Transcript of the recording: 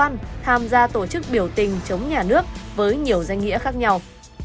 hà văn thành tham gia tổ chức biểu tình chống nhà nước với nhiều danh nghĩa khác nhau